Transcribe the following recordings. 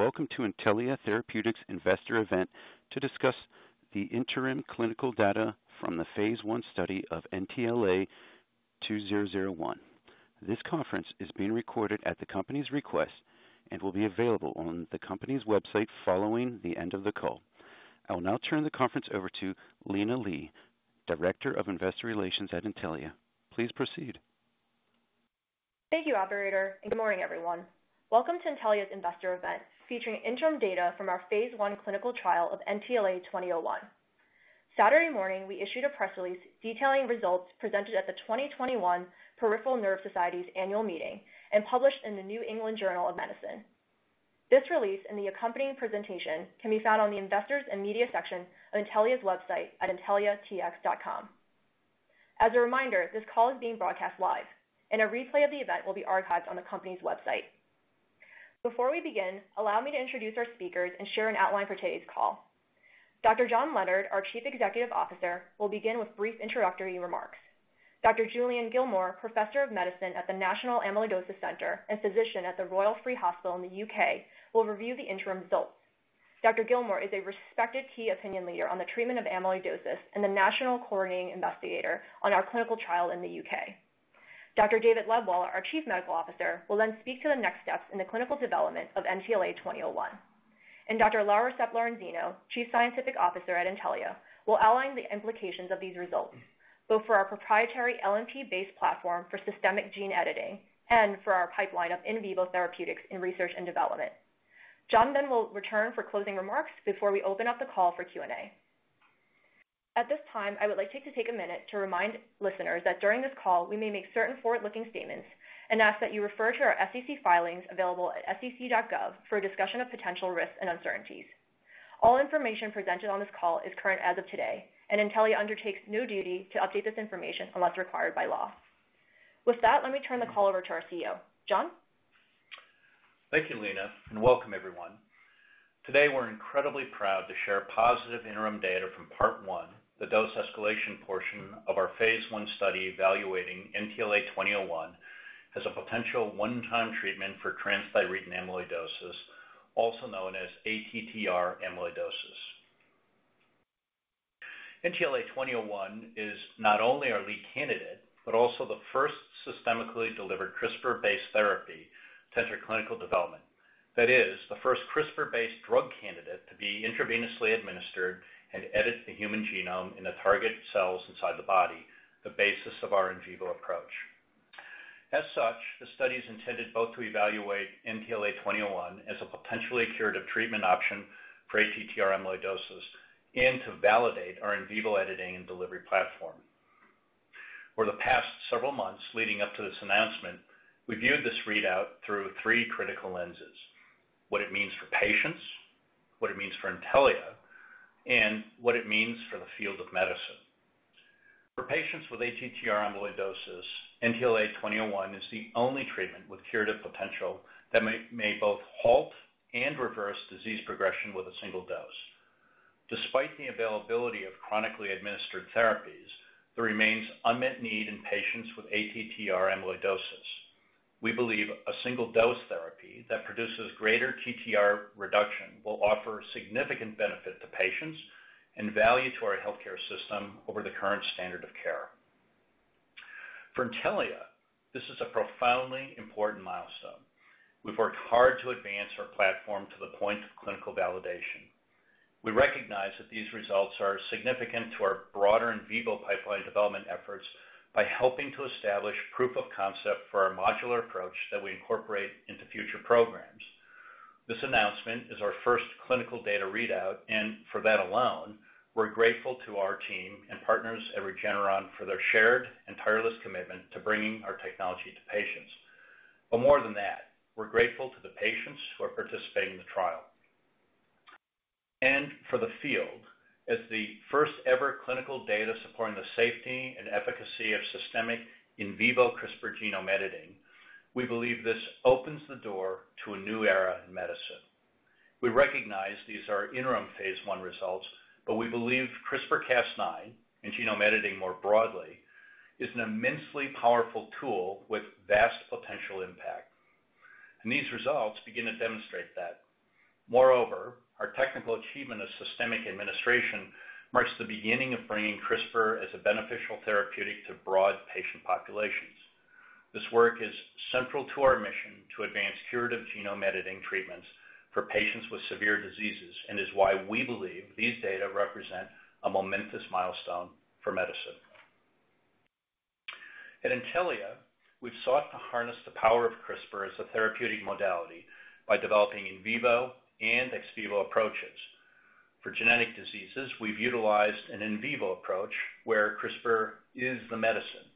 Welcome to Intellia Therapeutics' Investor event to discuss the interim clinical data from the phase I study of NTLA-2001. This conference is being recorded at the company's request and will be available on the company's website following the end of the call. I will now turn the conference over to Lina Li, Director of Investor Relations at Intellia. Please proceed. Thank you, operator, and good morning, everyone. Welcome to Intellia's investor event, featuring interim data from our phase I clinical trial of NTLA-2001. Saturday morning, we issued a press release detailing results presented at the 2021 Peripheral Nerve Society's annual meeting and published in the New England Journal of Medicine. This release and the accompanying presentation can be found on the Investors and Media section of Intellia's website at intelliatx.com. As a reminder, this call is being broadcast live, and a replay of the event will be archived on the company's website. Before we begin, allow me to introduce our speakers and share an outline for today's call. Dr. John Leonard, our Chief Executive Officer, will begin with brief introductory remarks. Dr. Julian Gillmore, Professor of Medicine at the National Amyloidosis Centre and physician at the Royal Free Hospital in the U.K., will review the interim results. Dr. Gillmore is a respected key opinion leader on the treatment of amyloidosis and the national coordinating investigator on our clinical trial in the U.K. Dr. David Lebwohl, our Chief Medical Officer, will speak to the next steps in the clinical development of NTLA-2001. Dr. Laura Sepp-Lorenzino, Chief Scientific Officer at Intellia, will outline the implications of these results, both for our proprietary LNP-based platform for systemic gene editing and for our pipeline of in vivo therapeutics in research and development. John Leonard will return for closing remarks before we open up the call for Q&A. At this time, I would like to take a minute to remind listeners that during this call, we may make certain forward-looking statements and ask that you refer to our SEC filings available at sec.gov for a discussion of potential risks and uncertainties. All information presented on this call is current as of today, and Intellia undertakes no duty to update this information unless required by law. With that, let me turn the call over to our CEO. John? Thank you, Lina, and welcome everyone. Today, we're incredibly proud to share positive interim data from part 1, the dose escalation portion of our phase I study evaluating NTLA-2001 as a potential one-time treatment for transthyretin amyloidosis, also known as ATTR amyloidosis. NTLA-2001 is not only our lead candidate, but also the first systemically delivered CRISPR-based therapy to enter clinical development. That is, the first CRISPR-based drug candidate to be intravenously administered and edit the human genome in the target cells inside the body, the basis of our in vivo approach. As such, the study's intended both to evaluate NTLA-2001 as a potentially curative treatment option for ATTR amyloidosis and to validate our in vivo editing and delivery platform. For the past several months leading up to this announcement, we viewed this readout through three critical lenses, what it means for patients, what it means for Intellia, and what it means for the field of medicine. For patients with ATTR amyloidosis, NTLA-2001 is the only treatment with curative potential that may both halt and reverse disease progression with a single dose. Despite the availability of chronically administered therapies, there remains unmet need in patients with ATTR amyloidosis. We believe a single-dose therapy that produces greater TTR reduction will offer significant benefit to patients and value to our healthcare system over the current standard of care. For Intellia, this is a profoundly important milestone. We've worked hard to advance our platform to the point of clinical validation. We recognize that these results are significant to our broader in vivo pipeline development efforts by helping to establish proof of concept for our modular approach that we incorporate into future programs. For that alone, we're grateful to our team and partners at Regeneron for their shared and tireless commitment to bringing our technology to patients. More than that, we're grateful to the patients who are participating in the trial. For the field, as the first-ever clinical data supporting the safety and efficacy of systemic in vivo CRISPR genome editing, we believe this opens the door to a new era in medicine. We recognize these are interim phase I results, we believe CRISPR-Cas9 and genome editing more broadly, is an immensely powerful tool with vast potential impact. These results begin to demonstrate that. Moreover, our technical achievement of systemic administration marks the beginning of bringing CRISPR as a beneficial therapeutic to broad patient populations. This work is central to our mission to advance curative genome editing treatments for patients with severe diseases, and is why we believe these data represent a momentous milestone for medicine. At Intellia, we've sought to harness the power of CRISPR as a therapeutic modality by developing in vivo and ex vivo approaches. For genetic diseases, we've utilized an in vivo approach where CRISPR is the medicine.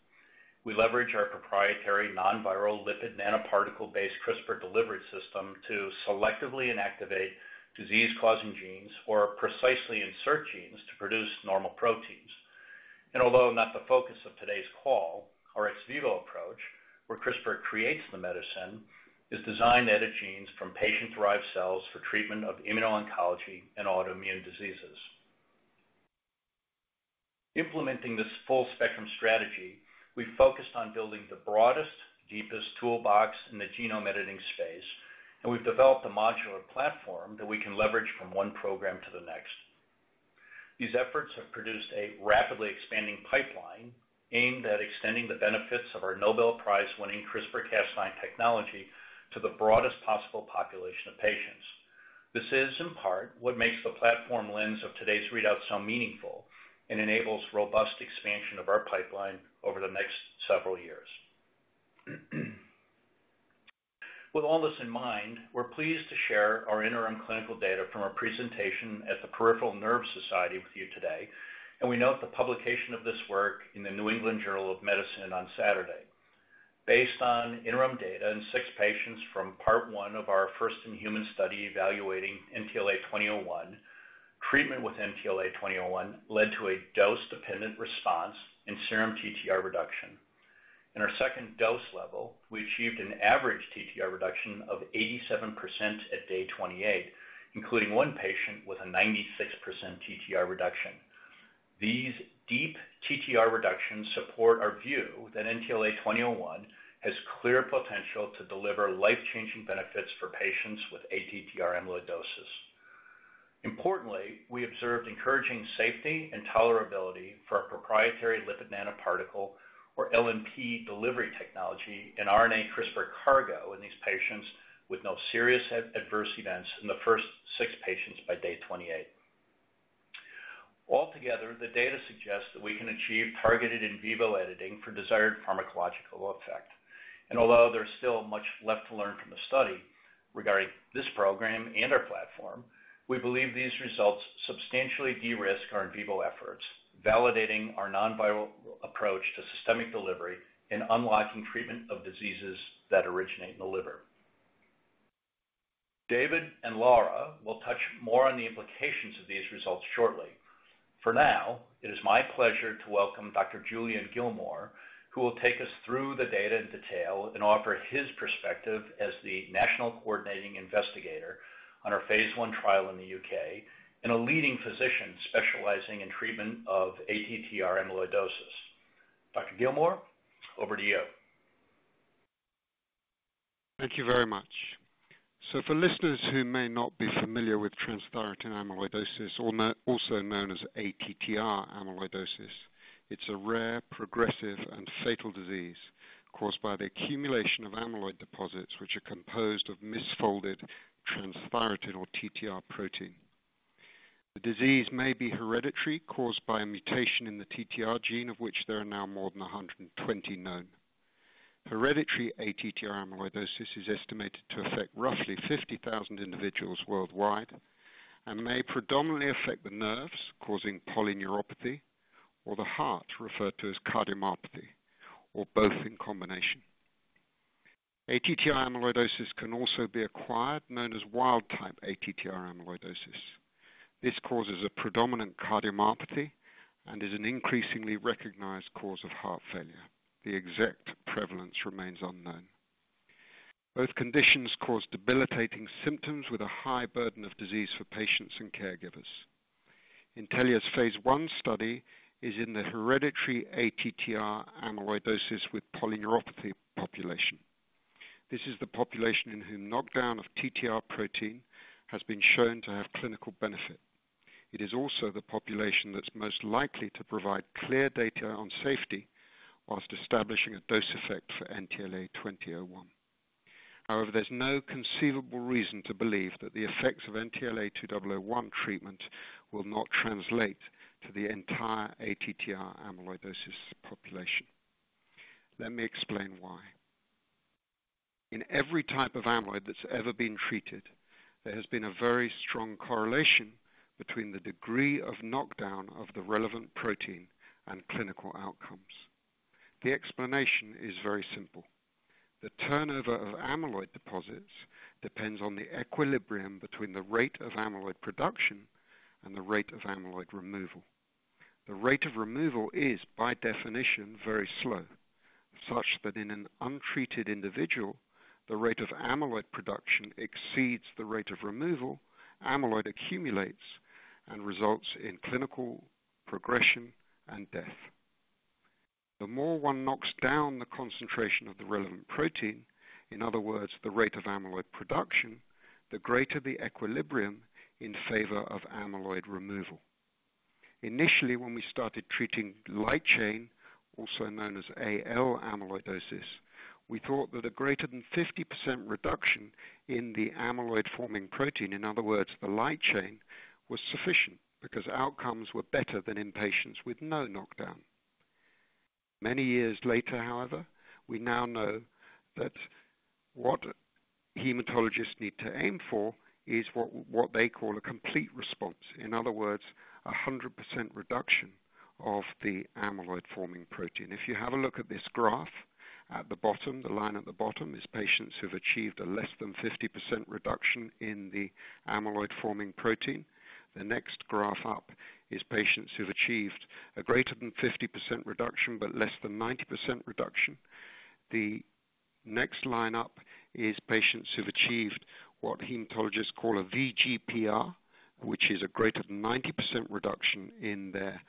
We leverage our proprietary non-viral lipid nanoparticle-based CRISPR delivery system to selectively inactivate disease-causing genes or precisely insert genes to produce normal proteins. Although not the focus of today's call, our ex vivo approach, where CRISPR creates the medicine, is designed to edit genes from patient-derived cells for treatment of immuno-oncology and autoimmune diseases. Implementing this full spectrum strategy, we've focused on building the broadest, deepest toolbox in the genome editing space, and we've developed a modular platform that we can leverage from one program to the next. These efforts have produced a rapidly expanding pipeline aimed at extending the benefits of our Nobel Prize-winning CRISPR-Cas9 technology to the broadest possible population of patients. This is, in part, what makes the platform lens of today's readout so meaningful and enables robust expansion of our pipeline over the next several years. With all this in mind, we're pleased to share our interim clinical data from our presentation at the Peripheral Nerve Society with you today, and we note the publication of this work in the New England Journal of Medicine on Saturday. Based on interim data in six patients from part 1 of our first-in-human study evaluating NTLA-2001, treatment with NTLA-2001 led to a dose-dependent response and serum TTR reduction. In our second dose level, we achieved an average TTR reduction of 87% at day 28, including one patient with a 96% TTR reduction. These deep TTR reductions support our view that NTLA-2001 has clear potential to deliver life-changing benefits for patients with ATTR amyloidosis. Importantly, we observed encouraging safety and tolerability for our proprietary lipid nanoparticle, or LNP, delivery technology and RNA CRISPR cargo in these patients with no Serious Adverse Events in the first six patients by day 28. Altogether, the data suggests that we can achieve targeted in vivo editing for desired pharmacological effect. Although there's still much left to learn from the study regarding this program and our platform, we believe these results substantially de-risk our in vivo efforts, validating our non-viral approach to systemic delivery in unlocking treatment of diseases that originate in the liver. David and Laura Sepp-Lorenzino will touch more on the implications of these results shortly. For now, it is my pleasure to welcome Dr. Julian Gillmore, who will take us through the data in detail and offer his perspective as the National Coordinating Investigator on our phase I trial in the U.K. and a leading physician specializing in treatment of ATTR amyloidosis. Dr. Gillmore, over to you. Thank you very much. For listeners who may not be familiar with transthyretin amyloidosis, also known as ATTR amyloidosis, it's a rare, progressive, and fatal disease caused by the accumulation of amyloid deposits, which are composed of misfolded transthyretin or TTR protein. The disease may be hereditary, caused by a mutation in the TTR gene, of which there are now more than 120 known. Hereditary ATTR amyloidosis is estimated to affect roughly 50,000 individuals worldwide and may predominantly affect the nerves, causing polyneuropathy, or the heart, referred to as cardiomyopathy, or both in combination. ATTR amyloidosis can also be acquired, known as wild-type ATTR amyloidosis. This causes a predominant cardiomyopathy and is an increasingly recognized cause of heart failure. The exact prevalence remains unknown. Both conditions cause debilitating symptoms with a high burden of disease for patients and caregivers. Intellia's phase I study is in the hereditary ATTR amyloidosis with polyneuropathy population. This is the population in whom knockdown of TTR protein has been shown to have clinical benefit. It is also the population that's most likely to provide clear data on safety while establishing a dose effect for NTLA-2001. However, there's no conceivable reason to believe that the effects of NTLA-2001 treatment will not translate to the entire ATTR amyloidosis population. Let me explain why. In every type of amyloid that's ever been treated, there has been a very strong correlation between the degree of knockdown of the relevant protein and clinical outcomes. The explanation is very simple. The turnover of amyloid deposits depends on the equilibrium between the rate of amyloid production and the rate of amyloid removal. The rate of removal is, by definition, very slow, such that in an untreated individual, the rate of amyloid production exceeds the rate of removal, amyloid accumulates and results in clinical progression and death. The more one knocks down the concentration of the relevant protein, in other words, the rate of amyloid production, the greater the equilibrium in favor of amyloid removal. Initially, when we started treating light chain, also known as AL amyloidosis, we thought that a greater than 50% reduction in the amyloid-forming protein, in other words, the light chain, was sufficient because outcomes were better than in patients with no knockdown. Many years later, however, we now know that what hematologists need to aim for is what they call a complete response. In other words, 100% reduction of the amyloid-forming protein. If you have a look at this graph, at the bottom, the line at the bottom is patients who've achieved a less than 50% reduction in the amyloid-forming protein. The next graph up is patients who've achieved a greater than 50% reduction, but less than 90% reduction. The next line up is patients who've achieved what hematologists call a VGPR, which is a greater than 90% reduction in their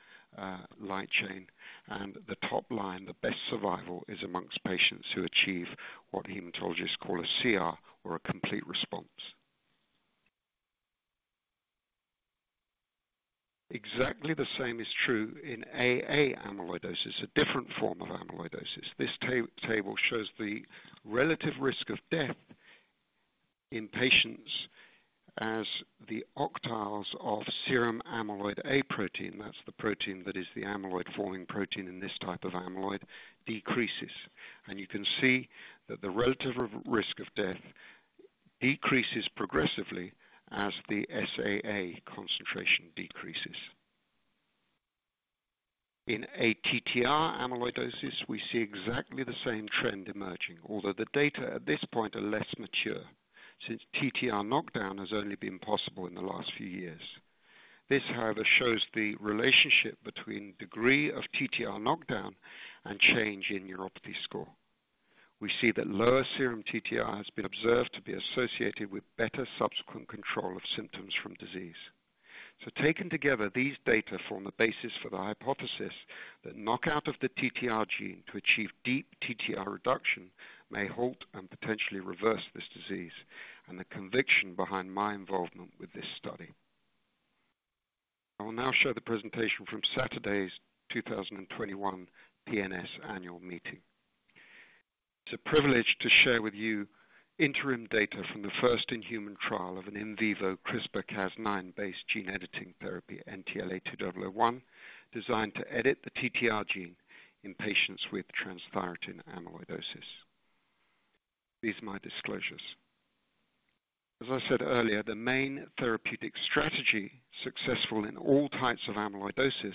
light chain. The top line, the best survival, is amongst patients who achieve what hematologists call a CR or a complete response. Exactly the same is true in AA amyloidosis, a different form of amyloidosis. This table shows the relative risk of death in patients as the octiles of serum amyloid A protein, that's the protein that is the amyloid forming protein in this type of amyloid, decreases. You can see that the relative risk of death decreases progressively as the SAA concentration decreases. In ATTR amyloidosis, we see exactly the same trend emerging. Although the data at this point are less mature, since TTR knockdown has only been possible in the last few years. This, however, shows the relationship between degree of TTR knockdown and change in neuropathy score. We see that lower serum TTR has been observed to be associated with better subsequent control of symptoms from disease. Taken together, these data form the basis for the hypothesis that knockout of the TTR gene to achieve deep TTR reduction may halt and potentially reverse this disease, and the conviction behind my involvement with this study. I will now show the presentation from Saturday's 2021 PNS annual meeting. It's a privilege to share with you interim data from the first in-human trial of an in vivo CRISPR-Cas9 based gene editing therapy, NTLA-2001, designed to edit the TTR gene in patients with transthyretin amyloidosis. These are my disclosures. As I said earlier, the main therapeutic strategy successful in all types of amyloidosis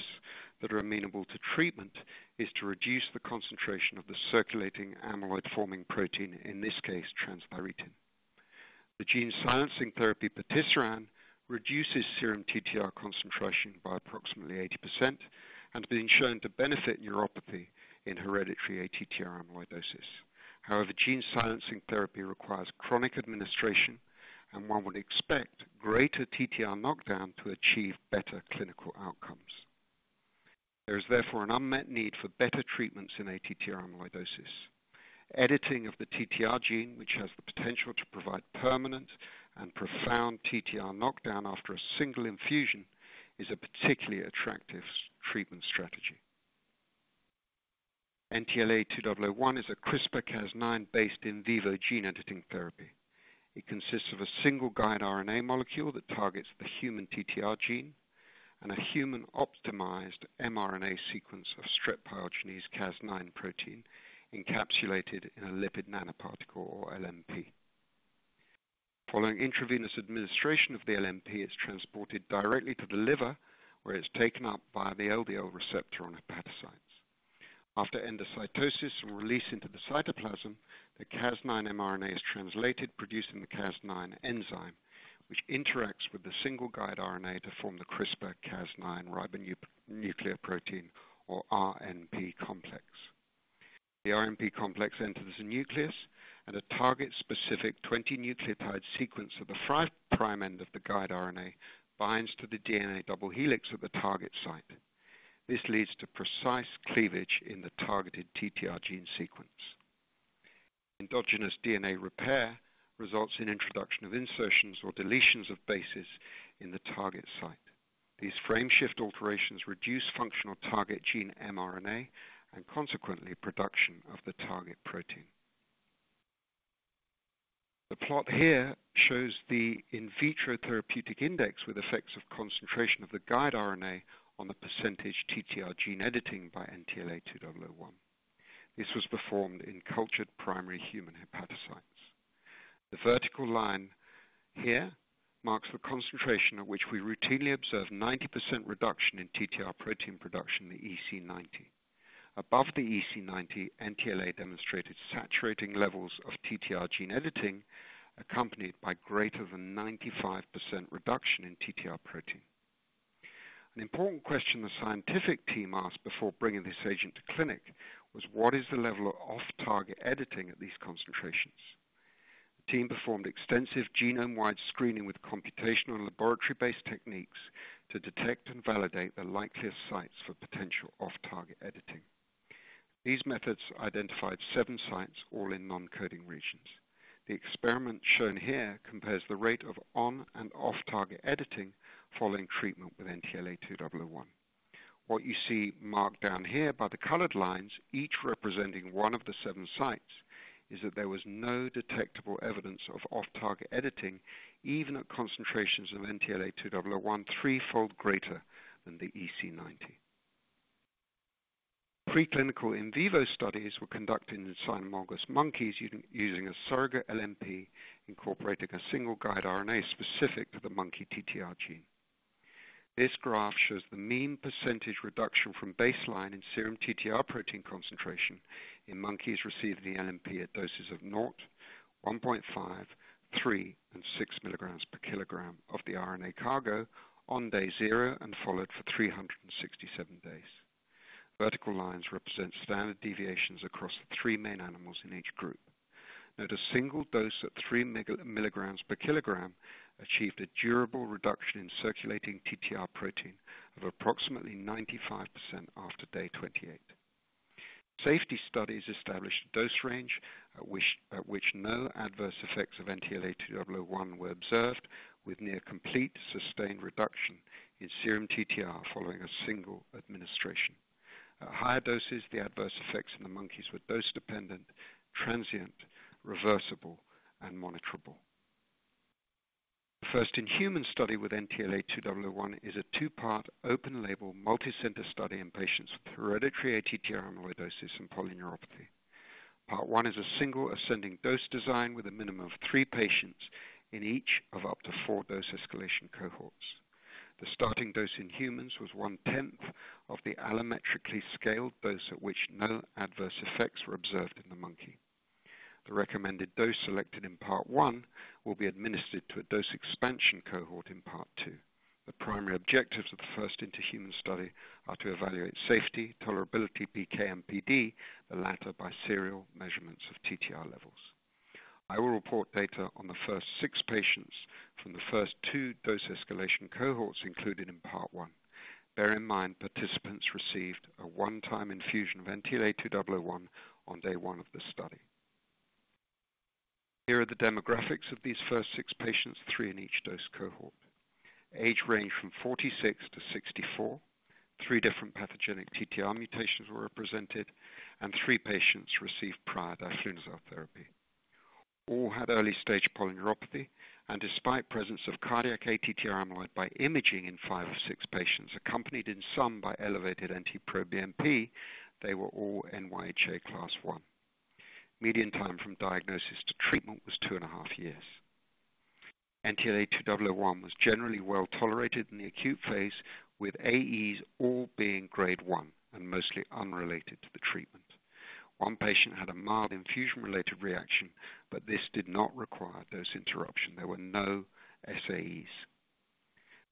that are amenable to treatment is to reduce the concentration of the circulating amyloid forming protein, in this case, transthyretin. The gene silencing therapy patisiran reduces serum TTR concentration by approximately 80% and has been shown to benefit neuropathy in hereditary ATTR amyloidosis. However, gene silencing therapy requires chronic administration, and one would expect greater TTR knockdown to achieve better clinical outcomes. There is therefore an unmet need for better treatments in ATTR amyloidosis. Editing of the TTR gene, which has the potential to provide permanent and profound TTR knockdown after a single infusion, is a particularly attractive treatment strategy. NTLA-2001 is a CRISPR-Cas9 based in vivo gene editing therapy. It consists of a single guide RNA molecule that targets the human TTR gene and a human optimized mRNA sequence of Streptococcus pyogenes Cas9 protein encapsulated in a lipid nanoparticle or LNP. Following intravenous administration of the LNP, it is transported directly to the liver, where it is taken up by the LDL receptor on hepatocytes. After endocytosis and release into the cytoplasm, the Cas9 mRNA is translated, producing the Cas9 enzyme, which interacts with the single guide RNA to form the CRISPR-Cas9 ribonuclear protein or RNP complex. The RNP complex enters the nucleus and a target-specific 20 nucleotide sequence at the five prime end of the guide RNA binds to the DNA double helix at the target site. This leads to precise cleavage in the targeted TTR gene sequence. Endogenous DNA repair results in introduction of insertions or deletions of bases in the target site. These frame shift alterations reduce functional target gene mRNA and consequently production of the target protein. The plot here shows the in vitro therapeutic index with effects of concentration of the guide RNA on the percentage TTR gene editing by NTLA-2001. This was performed in cultured primary human hepatocytes. The vertical line here marks the concentration at which we routinely observe 90% reduction in TTR protein production in the EC90. Above the EC90, NTLA demonstrated saturating levels of TTR gene editing accompanied by greater than 95% reduction in TTR protein. An important question the scientific team asked before bringing this agent to clinic was what is the level of off-target editing at these concentrations? The team performed extensive genome-wide screening with computational and laboratory-based techniques to detect and validate the likeliest sites for potential off-target editing. These methods identified seven sites, all in non-coding regions. The experiment shown here compares the rate of on and off-target editing following treatment with NTLA-2001. What you see marked down here by the colored lines, each representing one of the seven sites, is that there was no detectable evidence of off-target editing, even at concentrations of NTLA-2001 3-fold greater than the EC90. Preclinical in vivo studies were conducted in cynomolgus monkeys using a surrogate LNP incorporating a single guide RNA specific to the monkey TTR gene. This graph shows the mean percentage reduction from baseline in serum TTR protein concentration in monkeys receiving the LNP at doses of 0.15, 3, and 6 mg/kg of the RNA cargo on day zero and followed for 367 days. Vertical lines represent standard deviations across the three main animals in each group. Note a single dose at 3 mg/kg achieved a durable reduction in circulating TTR protein of approximately 95% after day 28. Safety studies established a dose range at which no adverse effects of NTLA-2001 were observed, with near complete sustained reduction in serum TTR following a single administration. At higher doses, the adverse effects in the monkeys were dose dependent, transient, reversible, and monitorable. The first-in-human study with NTLA-2001 is a two-part, open-label, multicenter study in patients with hereditary ATTR amyloidosis and polyneuropathy. Part 1 is a single ascending dose design with a minimum of three patients in each of up to four dose escalation cohorts. The starting dose in humans was 1/10 of the allometrically scaled dose at which no adverse effects were observed in the monkey. The recommended dose selected in Part 1 will be administered to a dose expansion cohort in Part 2. The primary objectives of the first-in-human study are to evaluate safety, tolerability, PK, and PD, the latter by serial measurements of TTR levels. I will report data on the first six patients from the first two dose escalation cohorts included in Part 1. Bear in mind, participants received a one-time infusion of NTLA-2001 on day one of the study. Here are the demographics of these first six patients, three in each dose cohort. Age ranged from 46 to 64. Three different pathogenic TTR mutations were represented, and three patients received prior tafamidis therapy. All had early-stage polyneuropathy and despite presence of cardiac ATTR amyloid by imaging in five of six patients, accompanied in some by elevated NT-proBNP, they were all NYHA Class 1. Median time from diagnosis to treatment was 2.5 years. NTLA-2001 was generally well-tolerated in the acute phase, with AEs all being grade 1 and mostly unrelated to the treatment. One patient had a mild infusion-related reaction, but this did not require dose interruption. There were no SAEs.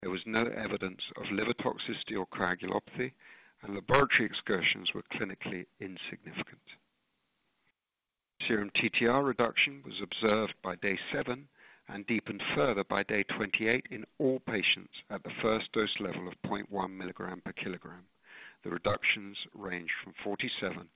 There was no evidence of liver toxicity or coagulopathy, and laboratory excursions were clinically insignificant. Serum TTR reduction was observed by day seven and deepened further by day 28 in all patients at the first dose level of 0.1 milligram per kilogram. The reductions range from 47%-56%.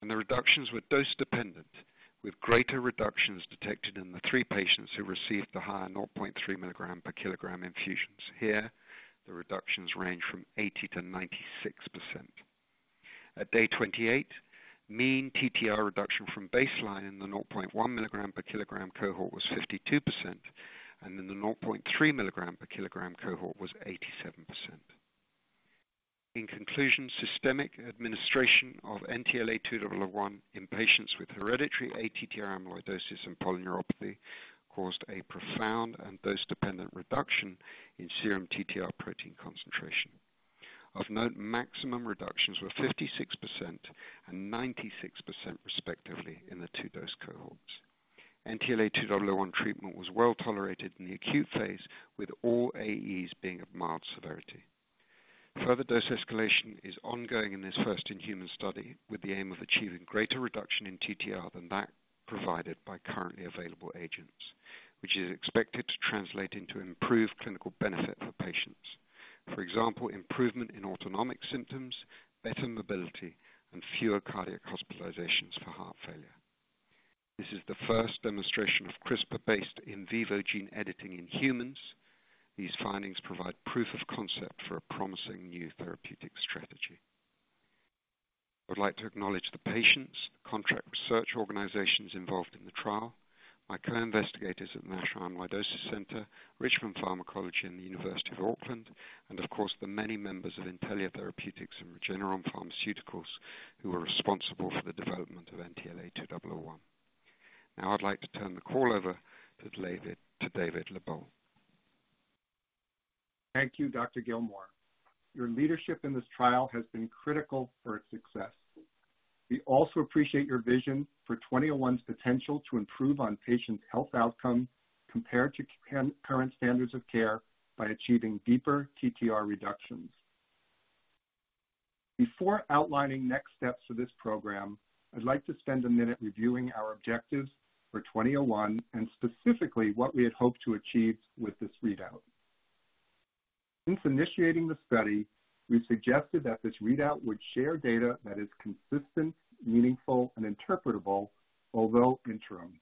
The reductions were dose dependent, with greater reductions detected in the three patients who received the higher 0.3 mg/kg infusions. Here, the reductions range from 80%-96%. At day 28, mean TTR reduction from baseline in the 0.1 mg/kg cohort was 52%, and in the 0.3 mg/kg cohort was 87%. In conclusion, systemic administration of NTLA-2001 in patients with hereditary ATTR amyloidosis and polyneuropathy caused a profound and dose-dependent reduction in serum TTR protein concentration. Of note, maximum reductions were 56% and 96% respectively in the two dose cohorts. NTLA-2001 treatment was well-tolerated in the acute phase, with all AEs being of mild severity. Further dose escalation is ongoing in this first-in-human study with the aim of achieving greater reduction in TTR than that provided by currently available agents, which is expected to translate into improved clinical benefit for patients. For example, improvement in autonomic symptoms, better mobility, and fewer cardiac hospitalizations for heart failure. This is the first demonstration of CRISPR-based in vivo gene editing in humans. These findings provide proof of concept for a promising new therapeutic strategy. I would like to acknowledge the patients, contract research organizations involved in the trial, my co-investigators at the National Amyloidosis Centre, Richmond Pharmacology, and the University of Auckland, and of course, the many members of Intellia Therapeutics and Regeneron Pharmaceuticals who are responsible for the development of NTLA-2001. I'd like to turn the call over to David Lebwohl. Thank you, Dr. Gillmore. Your leadership in this trial has been critical for its success. We also appreciate your vision for 2001's potential to improve on patients' health outcome compared to current standards of care by achieving deeper TTR reductions. Before outlining next steps for this program, I'd like to spend a minute reviewing our objectives for 2001, and specifically, what we had hoped to achieve with this readout. Since initiating the study, we suggested that this readout would share data that is consistent, meaningful, and interpretable, although interim.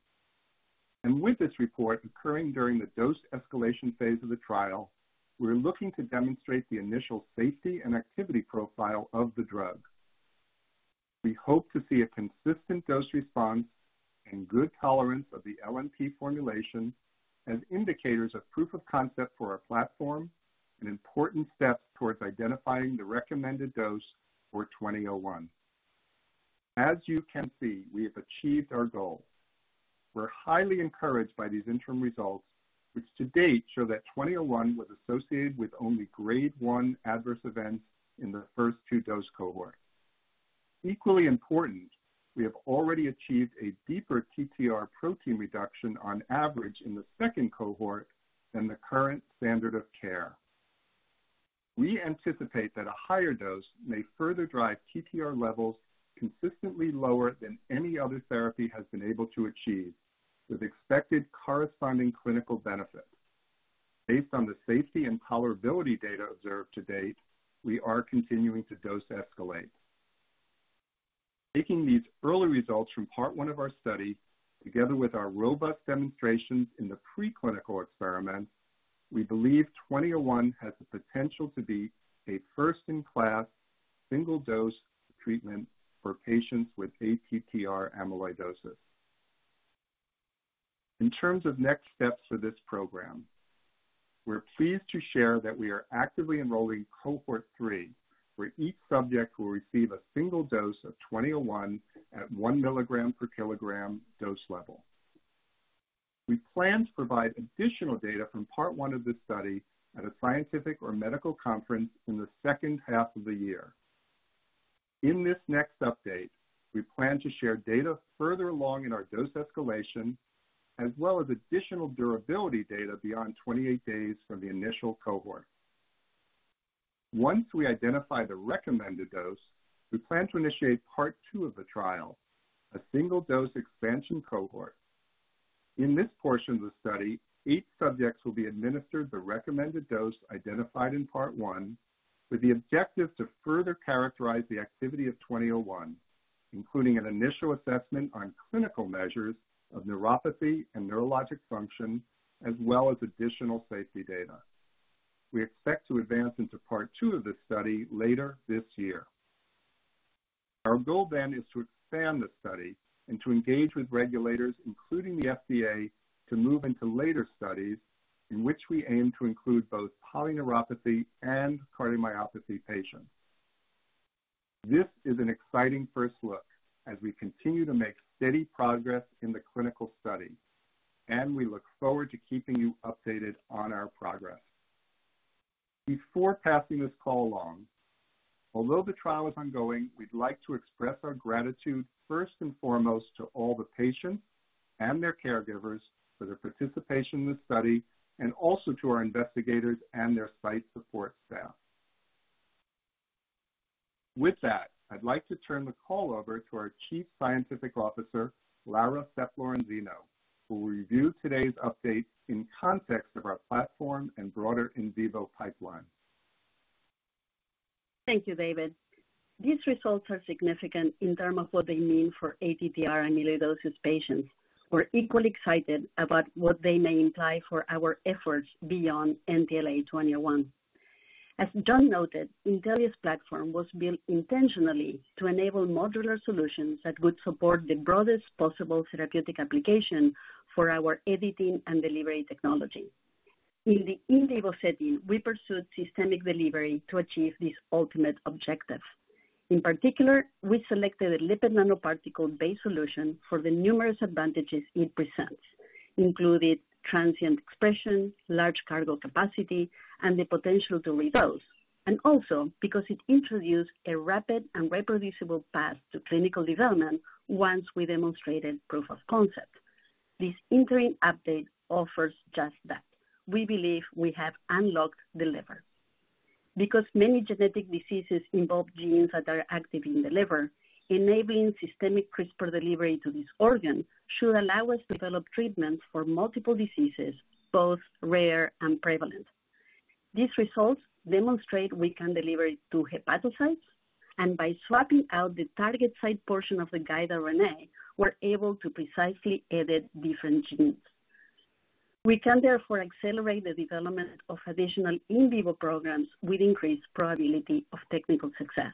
With this report occurring during the dose escalation phase of the trial, we're looking to demonstrate the initial safety and activity profile of the drug. We hope to see a consistent dose response and good tolerance of the LNP formulation as indicators of proof of concept for our platform and important steps towards identifying the recommended dose for 2001. As you can see, we have achieved our goal. We're highly encouraged by these interim results, which to date show that NTLA-2001 was associated with only Grade 1 adverse events in the first two dose cohort. Equally important, we have already achieved a deeper TTR protein reduction on average in the second cohort than the current standard of care. We anticipate that a higher dose may further drive TTR levels consistently lower than any other therapy has been able to achieve, with expected corresponding clinical benefits. Based on the safety and tolerability data observed to date, we are continuing to dose escalate. Taking these early results from part 1 of our study, together with our robust demonstrations in the preclinical experiments, we believe NTLA-2001 has the potential to be a first-in-class single-dose treatment for patients with ATTR amyloidosis. In terms of next steps for this program, we're pleased to share that we are actively enrolling cohort 3, where each subject will receive a single dose of NTLA-2001 at 1 milligram per kilogram dose level. We plan to provide additional data from part 1 of this study at a scientific or medical conference in the second half of the year. In this next update, we plan to share data further along in our dose escalation, as well as additional durability data beyond 28 days from the initial cohort. Once we identify the recommended dose, we plan to initiate part 2 of the trial, a single-dose expansion cohort. In this portion of the study, eight subjects will be administered the recommended dose identified in part 1, with the objective to further characterize the activity of 2001, including an initial assessment on clinical measures of neuropathy and neurologic function, as well as additional safety data. We expect to advance into part 2 of this study later this year. Our goal is to expand the study and to engage with regulators, including the FDA, to move into later studies in which we aim to include both polyneuropathy and cardiomyopathy patients. This is an exciting first look as we continue to make steady progress in the clinical study, and we look forward to keeping you updated on our progress. Before passing this call along, although the trial is ongoing, we'd like to express our gratitude first and foremost to all the patients and their caregivers for their participation in the study, and also to our investigators and their site support staff. With that, I'd like to turn the call over to our Chief Scientific Officer, Laura Sepp-Lorenzino, who will review today's updates in context of our platform and broader in vivo pipeline. Thank you, David. These results are significant in terms of what they mean for ATTR amyloidosis patients. We're equally excited about what they may imply for our efforts beyond NTLA-2001. As John noted, Intellia's platform was built intentionally to enable modular solutions that would support the broadest possible therapeutic application for our editing and delivery technology. In the in vivo setting, we pursued systemic delivery to achieve this ultimate objective. In particular, we selected a lipid nanoparticle-based solution for the numerous advantages it presents, including transient expression, large cargo capacity, and the potential to redose, and also because it introduced a rapid and reproducible path to clinical development once we demonstrated proof of concept. This interim update offers just that. We believe we have unlocked the liver. Because many genetic diseases involve genes that are active in the liver, enabling systemic CRISPR delivery to this organ should allow us to develop treatments for multiple diseases, both rare and prevalent. These results demonstrate we can deliver to hepatocytes, and by swapping out the target site portion of the guide RNA, we're able to precisely edit different genes. We can therefore accelerate the development of additional in vivo programs with increased probability of technical success.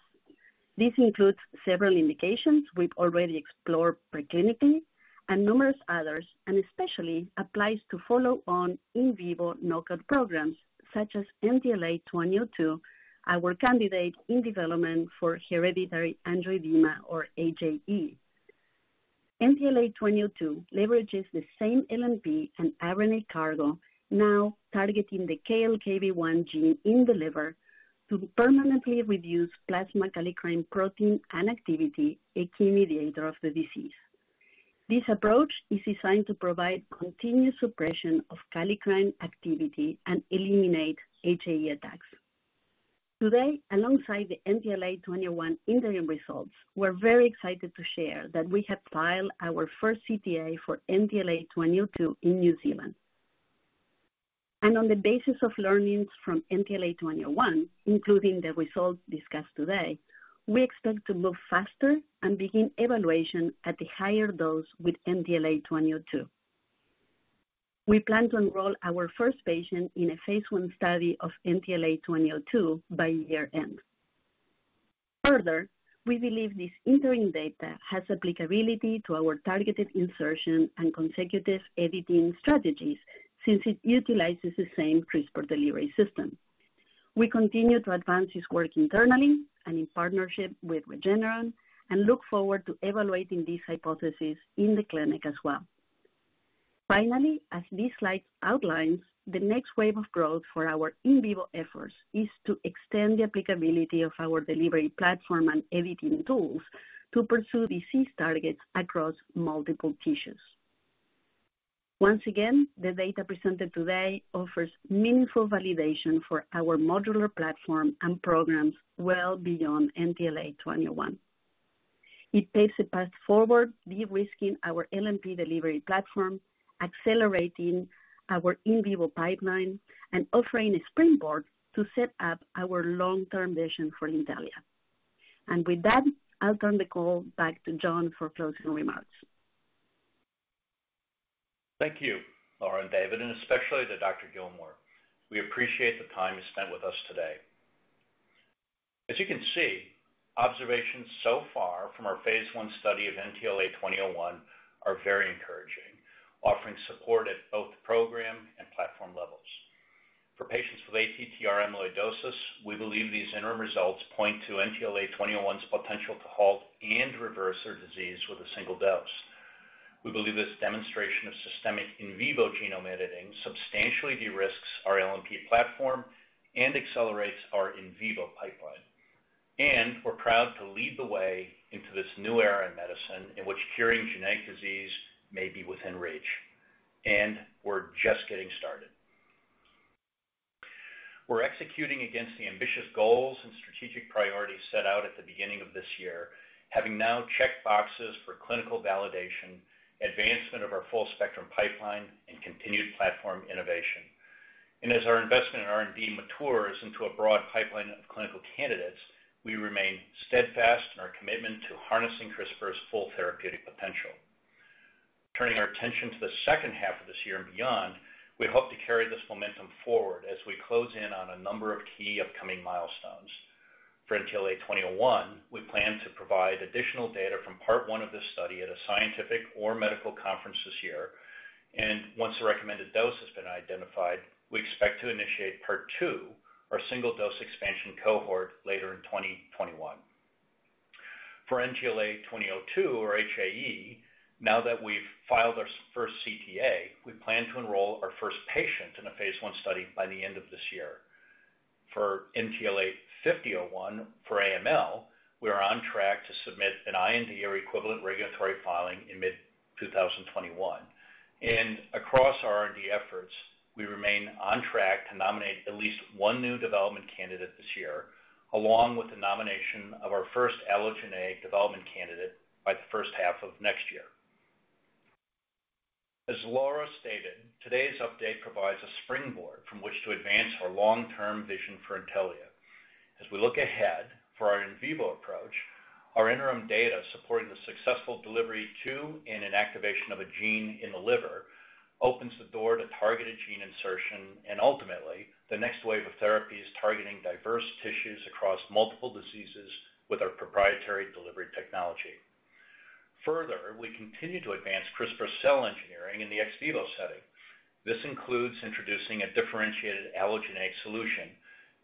This includes several indications we've already explored preclinically and numerous others, and especially applies to follow on in vivo knockout programs such as NTLA-2002, our candidate in development for hereditary angioedema or HAE. NTLA-2002 leverages the same LNP and RNA cargo, now targeting the KLKB1 gene in the liver to permanently reduce plasma kallikrein protein and activity, a key mediator of the disease. This approach is designed to provide continuous suppression of kallikrein activity and eliminate HAE attacks. Today, alongside the NTLA-2001 interim results, we're very excited to share that we have filed our first CTA for NTLA-2002 in New Zealand. On the basis of learnings from NTLA-2001, including the results discussed today, we expect to move faster and begin evaluation at the higher dose with NTLA-2002. We plan to enroll our first patient in a phase I study of NTLA-2002 by year end. Further, we believe this interim data has applicability to our targeted insertion and consecutive editing strategies since it utilizes the same CRISPR delivery system. We continue to advance this work internally and in partnership with Regeneron, and look forward to evaluating these hypotheses in the clinic as well. Finally, as this slide outlines, the next wave of growth for our in vivo efforts is to extend the applicability of our delivery platform and editing tools to pursue disease targets across multiple tissues. Once again, the data presented today offers meaningful validation for our modular platform and programs well beyond NTLA-2001. It paves the path forward, de-risking our LNP delivery platform, accelerating our in vivo pipeline, and offering a springboard to set up our long-term vision for Intellia. With that, I'll turn the call back to John for closing remarks. Thank you, Laura and David, and especially to Dr. Gillmore. We appreciate the time you spent with us today. As you can see, observations so far from our phase I study of NTLA-2001 are very encouraging, offering support at both program and platform levels. For patients with ATTR amyloidosis, we believe these interim results point to NTLA-2001's potential to halt and reverse their disease with a single dose. We believe this demonstration of systemic in vivo genome editing substantially de-risks our LNP platform and accelerates our in vivo pipeline. We're proud to lead the way into this new era in medicine in which curing genetic disease may be within reach. We're just getting started. We're executing against the ambitious goals and strategic priorities set out at the beginning of this year, having now checked boxes for clinical validation, advancement of our full spectrum pipeline, and continued platform innovation. As our investment in R&D matures into a broad pipeline of clinical candidates, we remain steadfast in our commitment to harnessing CRISPR's full therapeutic potential. Turning our attention to the second half of this year and beyond, we hope to carry this momentum forward as we close in on a number of key upcoming milestones. For NTLA-2001, we plan to provide additional data from part 1 of this study at a scientific or medical conference this year. Once the recommended dose has been identified, we expect to initiate part 2, our single-dose expansion cohort, later in 2021. For NTLA-2002, or HAE, now that we've filed our first CTA, we plan to enroll our first patient in a phase I study by the end of this year. For NTLA-5001 for AML, we are on track to submit an IND or equivalent regulatory filing in mid 2021. Across R&D efforts, we remain on track to nominate at least one new development candidate this year, along with the nomination of our first allogeneic development candidate by the first half of next year. As Laura stated, today's update provides a springboard from which to advance our long-term vision for Intellia. As we look ahead for our in vivo approach, our interim data supporting the successful delivery and activation of a gene in the liver opens the door to targeted gene insertion and ultimately, the next wave of therapies targeting diverse tissues across multiple diseases with our proprietary delivery technology. Further, we continue to advance CRISPR cell engineering in the ex vivo setting. This includes introducing a differentiated allogeneic solution,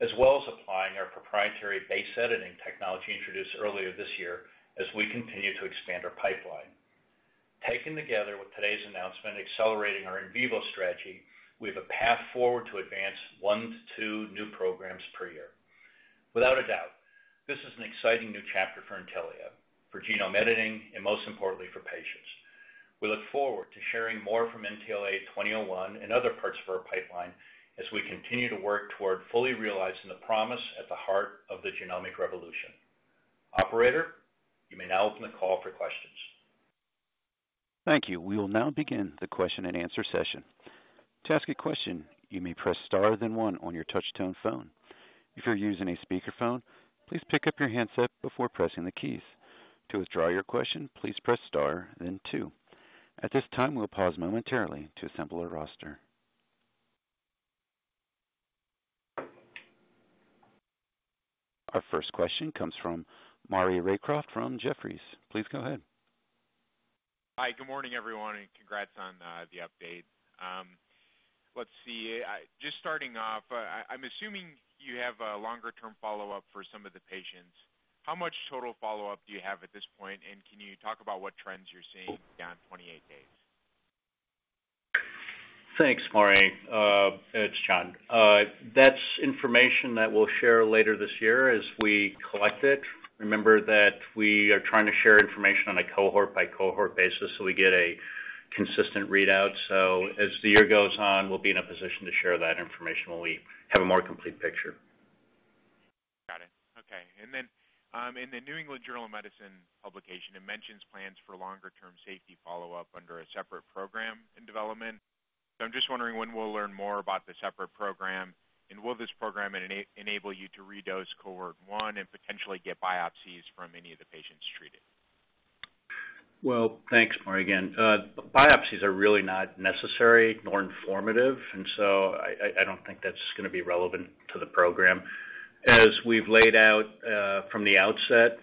as well as applying our proprietary base editing technology introduced earlier this year, as we continue to expand our pipeline. Taken together with today's announcement accelerating our in vivo strategy, we have a path forward to advance one to two new programs per year. Without a doubt, this is an exciting new chapter for Intellia, for genome editing, and most importantly, for patients. We look forward to sharing more from NTLA-2001 and other parts of our pipeline as we continue to work toward fully realizing the promise at the heart of the genomic revolution. Operator, you may now open the call for questions. Thank you. We will now begin the question and answer session. To ask a question, you may press star then one on your touchtone phone. If you are using a speaker phone, please pick up your handset before pressing the keys. To withdraw your question, please press star then two. At this time, we'll pause momentarily to assemble our roster. Our first question comes from Maury Raycroft from Jefferies. Please go ahead. Hi. Good morning, everyone, and congrats on the update. Let's see. Just starting off, I'm assuming you have a longer-term follow-up for some of the patients. How much total follow-up do you have at this point, and can you talk about what trends you're seeing beyond 28 days? Thanks, Maury. It's John. That's information that we'll share later this year as we collect it. Remember that we are trying to share information on a cohort-by-cohort basis, so we get a consistent readout. As the year goes on, we'll be in a position to share that information when we have a more complete picture. Got it. Okay. In the New England Journal of Medicine publication, it mentions plans for longer-term safety follow-up under a separate program in development. I'm just wondering when we'll learn more about the separate program, and will this program enable you to redose cohort 1 and potentially get biopsies from any of the patients treated? Well, thanks, Maury, again. Biopsies are really not necessary nor informative. I don't think that's going to be relevant to the program. As we've laid out from the outset,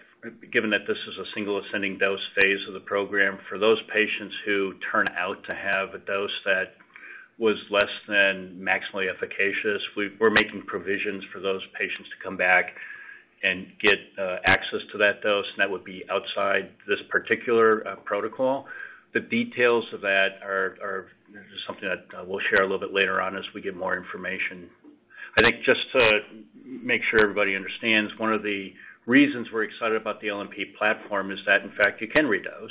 given that this is a single ascending dose phase I of the program, for those patients who turn out to have a dose that was less than maximally efficacious, we're making provisions for those patients to come back and get access to that dose, and that would be outside this particular protocol. The details of that are something that we'll share a little bit later on as we get more information. I think just to make sure everybody understands, one of the reasons we're excited about the LNP platform is that, in fact, you can redose.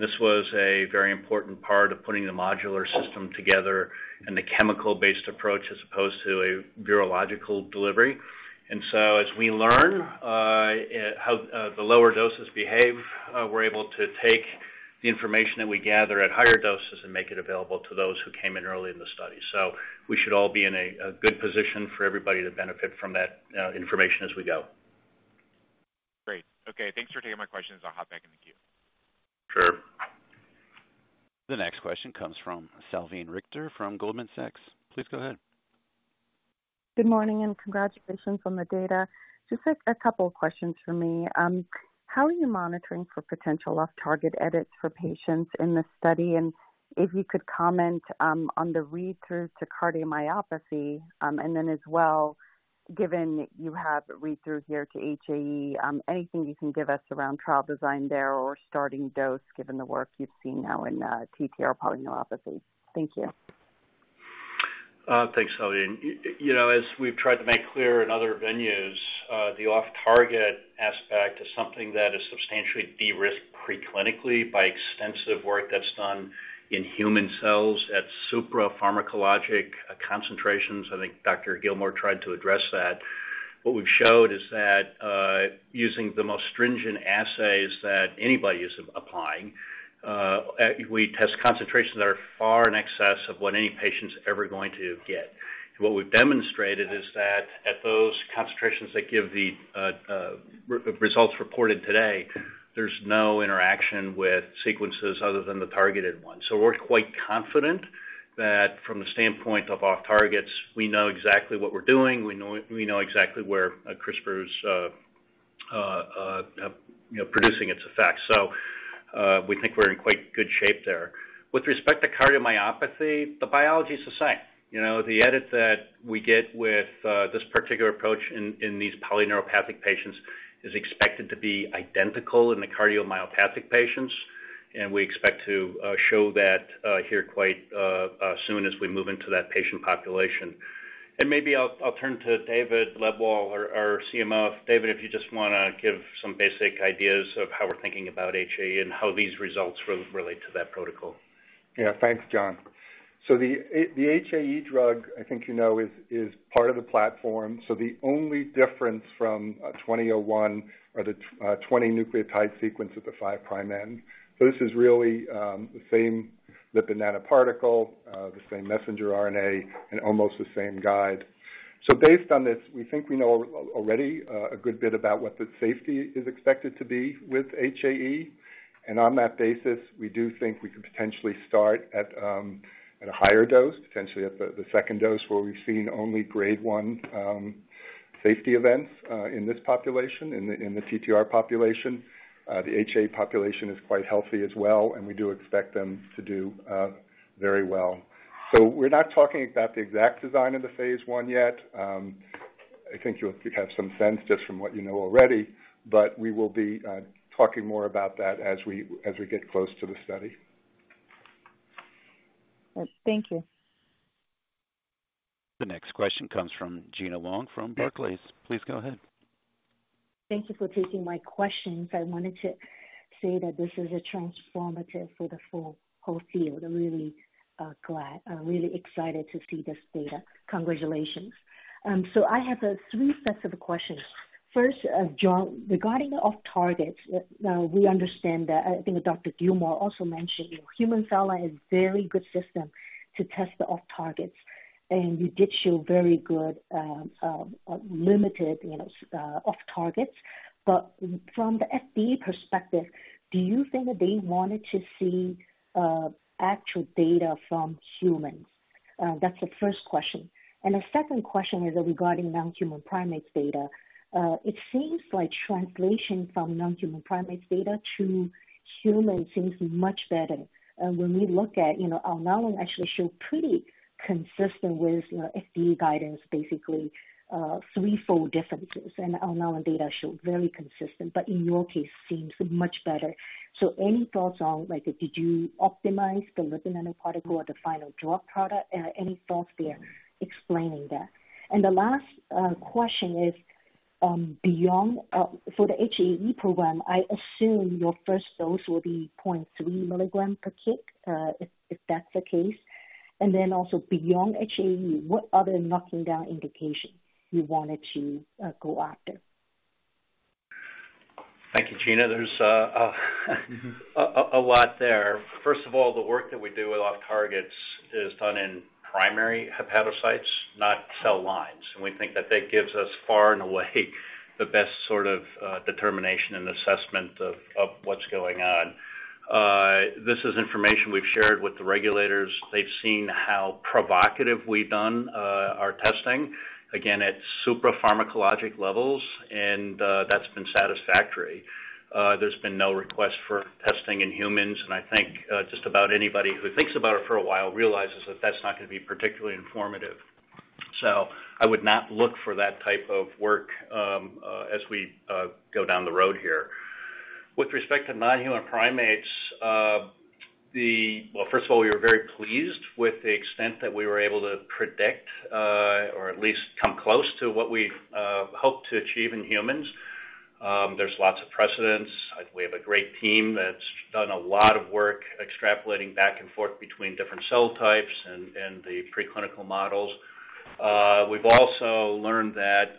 This was a very important part of putting the modular system together and the chemical-based approach as opposed to a virological delivery. As we learn how the lower doses behave, we're able to take the information that we gather at higher doses and make it available to those who came in early in the study. We should all be in a good position for everybody to benefit from that information as we go. Great. Okay. Thanks for taking my questions. I'll hop back in the queue. Sure. The next question comes from Salveen Richter from Goldman Sachs. Please go ahead. Good morning, congratulations on the data. Just a couple of questions from me. How are you monitoring for potential off-target edits for patients in this study? If you could comment on the read-through to cardiomyopathy, and then as well, given you have read-through here to HAE, anything you can give us around trial design there or starting dose given the work you've seen now in TTR polyneuropathy. Thank you. Thanks, Salveen. As we've tried to make clear in other venues, the off-target aspect is something that is substantially de-risked pre-clinically by extensive work that's done in human cells at supra pharmacologic concentrations. I think Dr. Gillmore tried to address that. What we've showed is that using the most stringent assays that anybody is applying, we test concentrations that are far in excess of what any patient's ever going to get. What we've demonstrated is that at those concentrations that give the results reported today, there's no interaction with sequences other than the targeted ones. We're quite confident that from the standpoint of off targets, we know exactly what we're doing. We know exactly where CRISPR is producing its effect. We think we're in quite good shape there. With respect to cardiomyopathy, the biology is the same. The edit that we get with this particular approach in these polyneuropathic patients is expected to be identical in the cardiomyopathic patients, and we expect to show that here quite soon as we move into that patient population. Maybe I'll turn to David Lebwohl, our CMO. David, if you just want to give some basic ideas of how we're thinking about HAE and how these results relate to that protocol. Yeah. Thanks, John. The HAE drug, I think you know, is part of the platform. The only difference from 2001 are the 20 nucleotide sequence at the five prime end. This is really the same lipid nanoparticle, the same messenger RNA, and almost the same guide. Based on this, we think we know already a good bit about what the safety is expected to be with HAE. On that basis, we do think we could potentially start at a higher dose, potentially at the second dose, where we've seen only grade 1 safety events in this population, in the TTR population. The HAE population is quite healthy as well, and we do expect them to do very well. We're not talking about the exact design of the phase I yet. I think you have some sense just from what you know already, but we will be talking more about that as we get close to the study. Thank you. The next question comes from Gena Wang from Barclays. Please go ahead. Thank you for taking my questions. I wanted to say that this is transformative for the whole field. I'm really glad, really excited to see this data. Congratulations. I have three sets of questions. First, John, regarding off targets, we understand that, I think Dr. Gilmour also mentioned human cell line is very good system to test the off targets, and you did show very good limited off targets. From the FDA perspective, do you think that they wanted to see actual data from humans? That's the first question. The second question is regarding non-human primates data. It seems like translation from non-human primates data to human seems much better. When we look at Alnylam actually show pretty consistent with FDA guidance, basically three-fold differences, and Alnylam data showed very consistent, but in your case, seems much better. Any thoughts on did you optimize the lipid nanoparticle or the final drug product? Any thoughts there explaining that? The last question is for the HAE program, I assume your first dose will be 0.3 mg per kg, if that's the case. Beyond HAE, what other knocking down indication you wanted to go after? Thank you, Gena. There's a lot there. First of all, the work that we do with off targets is done in primary hepatocytes, not cell lines. We think that that gives us far and away the best sort of determination and assessment of what's going on. This is information we've shared with the regulators. They've seen how provocative we've done our testing, again, at supra pharmacologic levels, and that's been satisfactory. There's been no request for testing in humans, and I think just about anybody who thinks about it for a while realizes that's not going to be particularly informative. I would not look for that type of work as we go down the road here. With respect to non-human primates, well, first of all, we were very pleased with the extent that we were able to predict, or at least come close to what we've hoped to achieve in humans. There's lots of precedents. We have a great team that's done a lot of work extrapolating back and forth between different cell types and the preclinical models. We've also learned that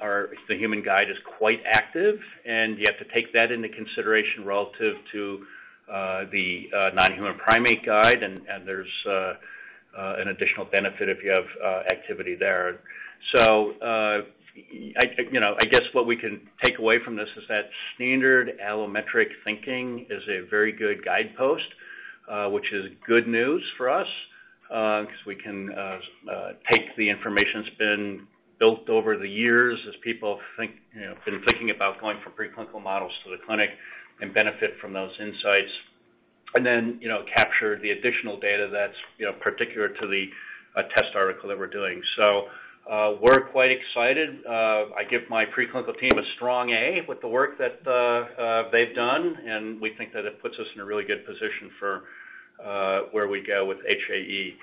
the human guide is quite active, and you have to take that into consideration relative to the non-human primate guide, and there's an additional benefit if you have activity there. I guess what we can take away from this is that standard allometric thinking is a very good guidepost, which is good news for us, because we can take the information that's been built over the years as people have been thinking about going from preclinical models to the clinic and benefit from those insights, and then capture the additional data that's particular to the test article that we're doing. We're quite excited. I give my preclinical team a strong A with the work that they've done, and we think that it puts us in a really good position for where we go with HAE.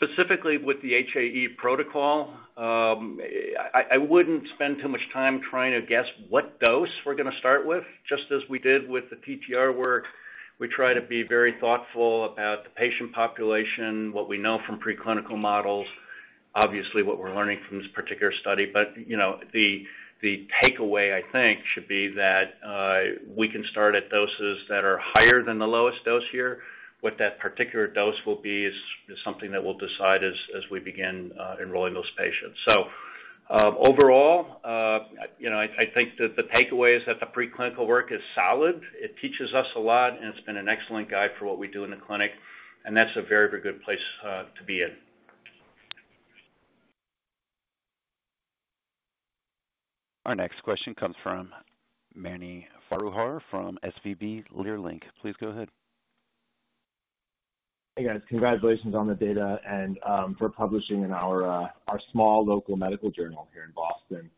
Specifically with the HAE protocol, I wouldn't spend too much time trying to guess what dose we're going to start with. Just as we did with the ATTR work, we try to be very thoughtful about the patient population, what we know from preclinical models, obviously, what we're learning from this particular study. The takeaway, I think, should be that we can start at doses that are higher than the lowest dose here. What that particular dose will be is something that we'll decide as we begin enrolling those patients. Overall, I think that the takeaway is that the preclinical work is solid. It teaches us a lot, and it's been an excellent guide for what we do in the clinic, and that's a very good place to be in. Our next question comes from Mani Foroohar from SVB Leerink. Please go ahead. Hey, guys. Congratulations on the data and for publishing in our small local medical journal here in Boston.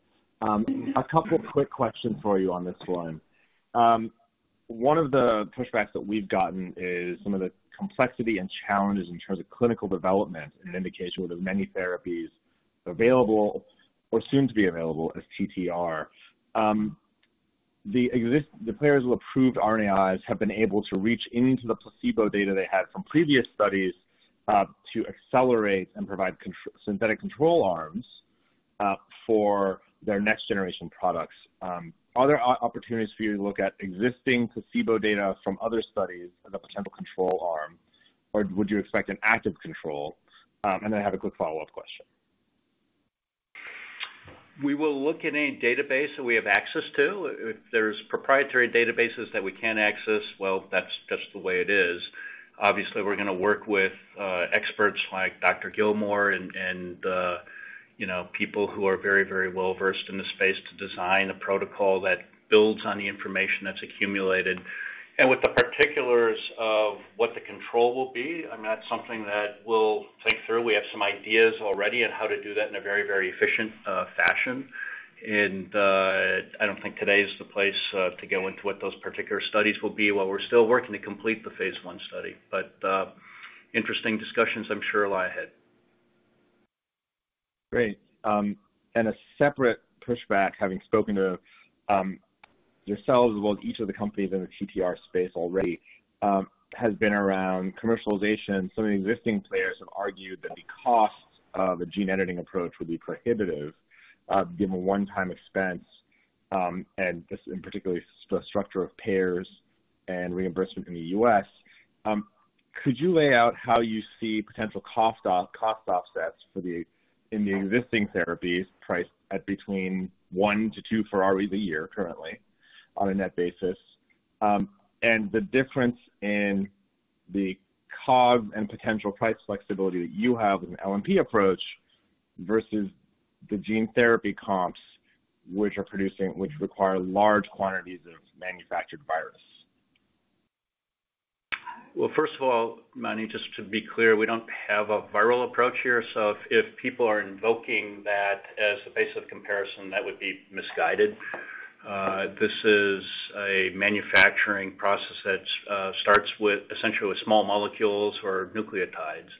A couple quick questions for you on this one. One of the pushbacks that we've gotten is some of the complexity and challenges in terms of clinical development and indication with the many therapies available or soon to be available as ATTR. The players who approved RNAis have been able to reach into the placebo data they had from previous studies to accelerate and provide synthetic control arms for their next-generation products. Are there opportunities for you to look at existing placebo data from other studies as a potential control arm, or would you expect an active control? I have a quick follow-up question. We will look at any database that we have access to. If there's proprietary databases that we can't access, well, that's just the way it is. Obviously, we're going to work with experts like Dr. Gilmour and people who are very well-versed in the space to design a protocol that builds on the information that's accumulated. With the particulars of what the control will be, that's something that we'll think through. We have some ideas already on how to do that in a very efficient fashion, and I don't think today's the place to go into what those particular studies will be while we're still working to complete the phase I study. Interesting discussions, I'm sure, lie ahead. Great. A separate pushback, having spoken to yourselves about each of the companies in the ATTR space already, has been around commercialization. Some of the existing players have argued that the cost of a gene-editing approach will be prohibitive given a one-time expense, and particularly the structure of payers and reimbursement in the U.S. Could you lay out how you see potential cost offsets in the existing therapies priced at between one to two Ferrari a year currently on a net basis, and the difference in the COG and potential price flexibility that you have with an LNP approach versus the gene therapy comps, which require large quantities of manufactured virus? First of all, Mani, just to be clear, we don't have a viral approach here, so if people are invoking that as a basis of comparison, that would be misguided. This is a manufacturing process that starts with essentially small molecules or nucleotides.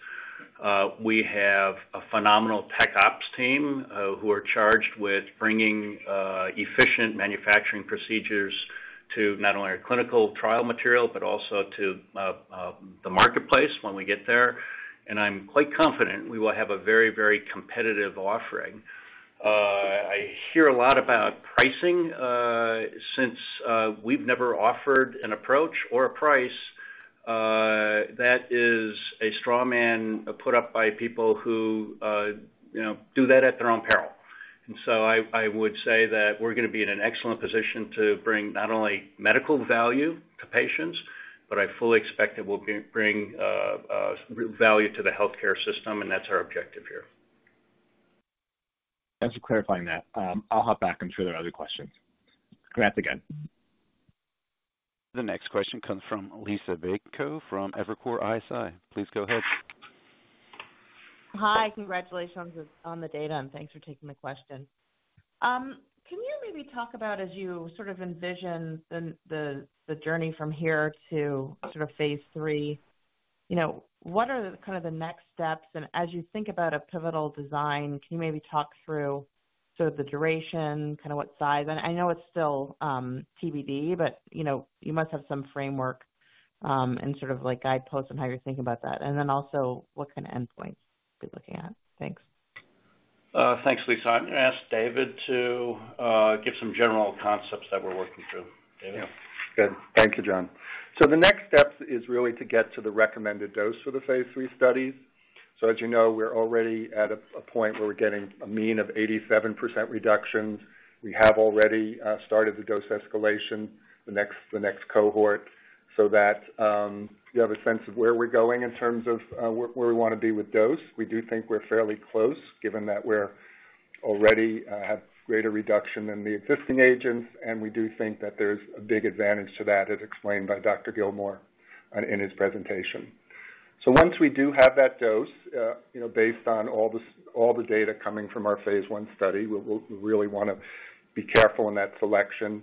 We have a phenomenal Tech Ops team who are charged with bringing efficient manufacturing procedures to not only our clinical trial material but also to the marketplace when we get there. I'm quite confident we will have a very, very competitive offering. I hear a lot about pricing. Since we've never offered an approach or a price. That is a straw man put up by people who do that at their own peril. I would say that we're going to be in an excellent position to bring not only medical value to patients, but I fully expect it will bring value to the healthcare system, and that's our objective here. Thanks for clarifying that. I'll hop back into our other questions. Grant, again. The next question comes from Liisa Bayko from Evercore ISI. Please go ahead. Hi. Congratulations on the data, thanks for taking the question. Can you maybe talk about as you sort of envision the journey from here to sort of phase III, what are the next steps? As you think about a pivotal design, can you maybe talk through sort of the duration, kind of what size? I know it's still TBD, but you must have some framework and sort of like guideposts on how you're think about that. Then also, what kind of endpoints are we looking at? Thanks. Thanks, Liisa. I'm going to ask David to give some general concepts that we're working through. David? Good. Thank you, John. The next steps is really to get to the recommended dose for the phase III studies. As you know, we're already at a point where we're getting a mean of 87% reduction. We have already started the dose escalation, the next cohort, so that you have a sense of where we're going in terms of where we want to be with dose. We do think we're fairly close, given that we already have greater reduction than the existing agents, and we do think that there's a big advantage to that, as explained by Dr. Gillmore in his presentation. Once we do have that dose, based on all the data coming from our phase I study, we really want to be careful in that selection.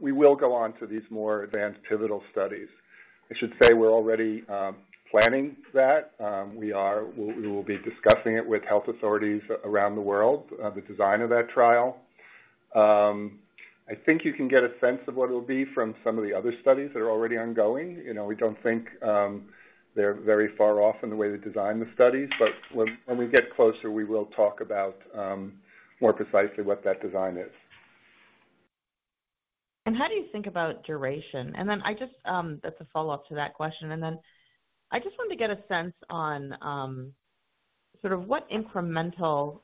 We will go on to these more advanced pivotal studies. I should say we're already planning that. We will be discussing it with health authorities around the world, the design of that trial. I think you can get a sense of what it'll be from some of the other studies that are already ongoing. We don't think they're very far off in the way they design the studies. When we get closer, we will talk about more precisely what that design is. How do you think about duration? As a follow-up to that question, I just want to get a sense on sort of what incremental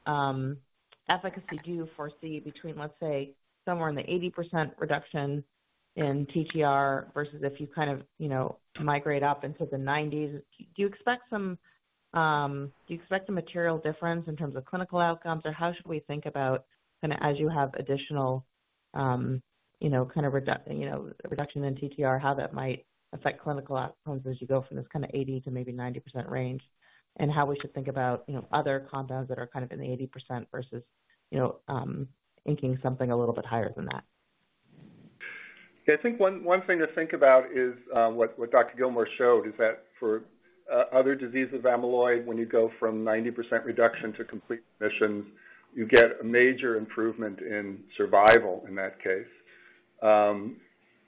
efficacy do you foresee between, let's say, somewhere in the 80% reductions in TTR versus if you kind of migrate up into the 90s? Do you expect a material difference in terms of clinical outcomes? How should we think about as you have additional kind of reduction in TTR, how that might affect clinical outcomes as you go from this kind of 80% to maybe 90% range, and how we should think about other compounds that are in 80% versus inking something a little bit higher than that? I think one thing to think about is what Dr. Gilmour showed is that for other diseases, amyloid, when you go from 90% reduction to complete remission, you get a major improvement in survival in that case.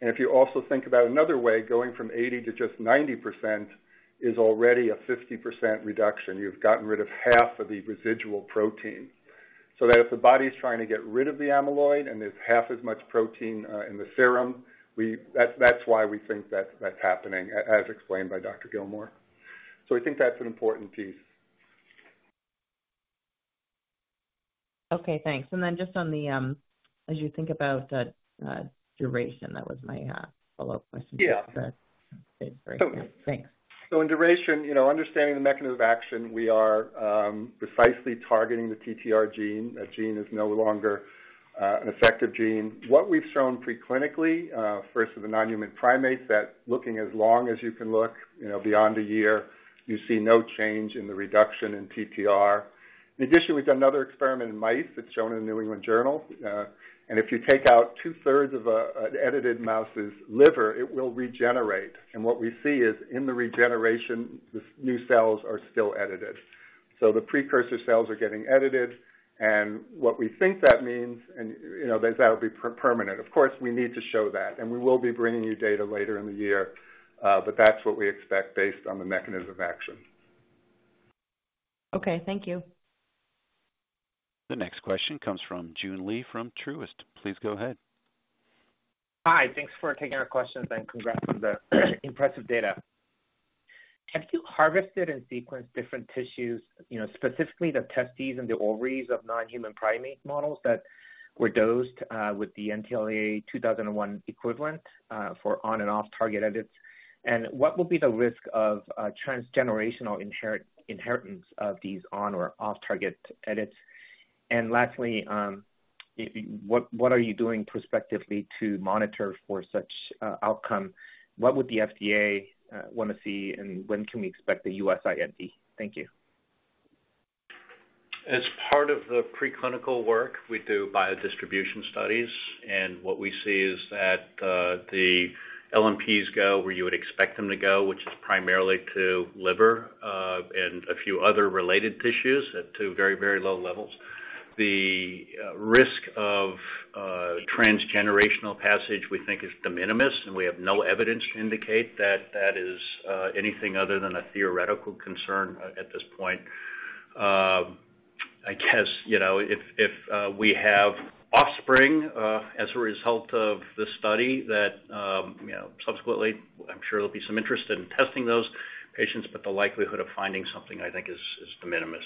If you also think about another way, going from 80 to just 90% is already a 50% reduction. You've gotten rid of half of the residual protein. That if the body's trying to get rid of the amyloid and there's half as much protein in the serum, that's why we think that's happening, as explained by Dr. Gilmour. I think that's an important piece. Okay, thanks. Then just on the, as you think about the duration, that was my follow-up question. Yeah. That's great. Thanks. In duration, understanding the mechanism of action, we are precisely targeting the TTR gene. That gene is no longer an effective gene. What we've shown preclinically, first with the nonhuman primates, that looking as long as you can look, beyond one year, you see no change in the reduction in TTR. In addition, we've got another experiment in mice that's shown in the New England Journal, and if you take out two-thirds of an edited mouse's liver, it will regenerate. What we see is in the regeneration, the new cells are still edited. The precursor cells are getting edited, and what we think that means, and that'll be permanent. Of course, we need to show that, and we will be bringing you data later in the year. That's what we expect based on the mechanism of action. Okay, thank you. The next question comes from Joon Lee from Truist. Please go ahead. Hi. Thanks for taking our questions and congrats on the impressive data. Have you harvested and sequenced different tissues, specifically the testes and the ovaries of non-human primate models that were dosed with the NTLA-2001 equivalent for on and off-target edits? What will be the risk of transgenerational inheritance of these on or off-target edits? Lastly, what are you doing prospectively to monitor for such outcome? What would the FDA want to see, and when can we expect the U.S. IND? Thank you. As part of the pre-clinical work, we do biodistribution studies, and what we see is that the LNPs go where you would expect them to go, which is primarily to liver and a few other related tissues at two very, very low levels. The risk of transgenerational passage we think is de minimis, and we have no evidence to indicate that that is anything other than a theoretical concern at this point. I guess, if we have offspring as a result of the study that subsequently, I'm sure there'll be some interest in testing those patients, but the likelihood of finding something, I think, is de minimis.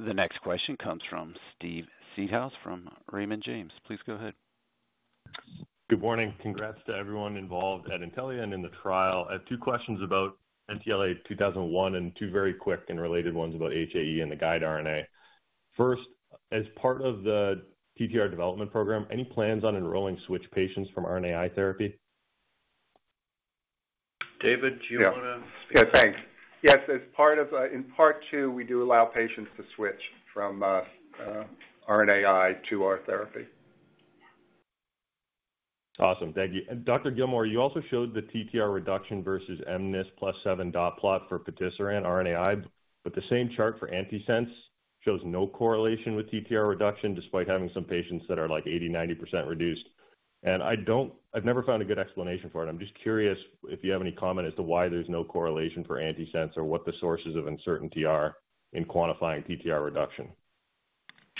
The next question comes from Steve Seedhouse from Raymond James. Please go ahead. Good morning. Congrats to everyone involved at Intellia and in the trial. I have two questions about NTLA-2001 and 2002 very quick and related ones about HAE and the guide RNA. First, as part of the TTR development program, any plans on enrolling switch patients from RNAi therapy? David, do you want to? Yeah. Yeah, thanks. Yes, in Part 2, we do allow patients to switch from RNAi to our therapy. Awesome. Thank you. Dr. Gillmore, you also showed the TTR reduction versus mNIS+7 plus seven dot plot for patisiran RNAi, but the same chart for antisense shows no correlation with TTR reduction despite having some patients that are like 80%, 90% reduced. I've never found a good explanation for it. I'm just curious if you have any comment as to why there's no correlation for antisense or what the sources of uncertainty are in quantifying TTR reduction.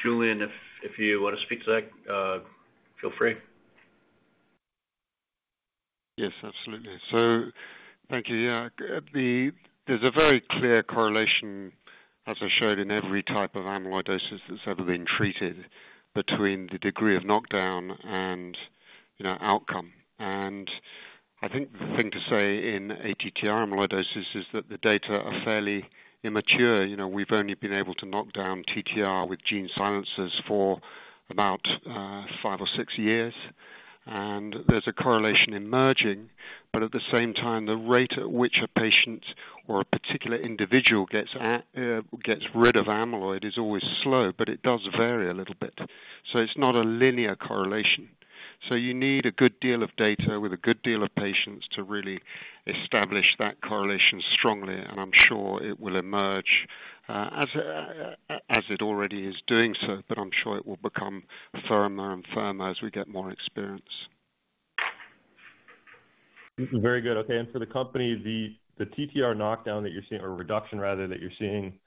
Julian, if you want to speak to that, feel free. Yes, absolutely. Thank you. There's a very clear correlation, as I showed in every type of amyloidosis that's ever been treated, between the degree of knockdown and outcome. I think the thing to say in ATTR amyloidosis is that the data are fairly immature. We've only been able to knock down TTR with gene silencers for about five or six years, and there's a correlation emerging, but at the same time, the rate at which a patient or a particular individual gets rid of amyloid is always slow, but it does vary a little bit. It's not a linear correlation. You need a good deal of data with a good deal of patients to really establish that correlation strongly, and I'm sure it will emerge as it already is doing so, but I'm sure it will become firmer and firmer as we get more experience. Very good. Okay. For the company, the TTR knockdown that you're seeing, or reduction rather that you're seeing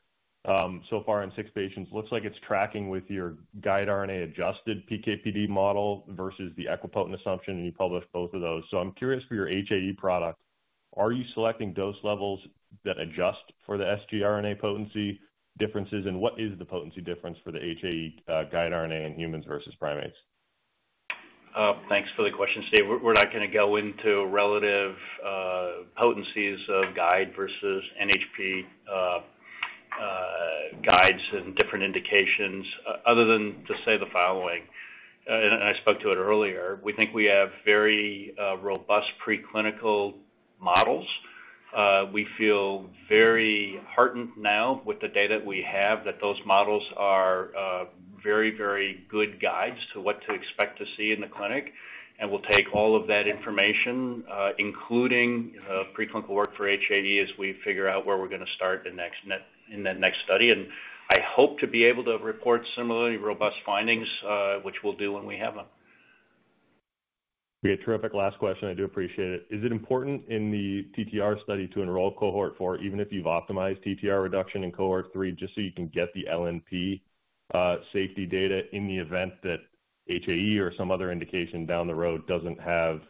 so far in six patients looks like it's tracking with your guide RNA-adjusted PK/PD model versus the equipotent assumption, and you published both of those. I'm curious for your HAE product, are you selecting dose levels that adjust for the sgRNA potency differences, and what is the potency difference for the HAE guide RNA in humans versus primates? Thanks for the question, Steve. We're not going to go into relative potencies of guide versus NHP guides and different indications other than to say the following, I spoke to it earlier. We think we have very robust preclinical models. We feel very heartened now with the data that we have that those models are very good guides to what to expect to see in the clinic. We'll take all of that information, including preclinical work for HAE, as we figure out where we're going to start in that next study. I hope to be able to report similarly robust findings, which we'll do when we have them. Yeah, terrific. Last question, I do appreciate it. Is it important in the TTR study to enroll Cohort 4 even if you've optimized TTR reduction in Cohort 3 just so you can get the LNP safety data in the event that HAE or some other indication down the road doesn't have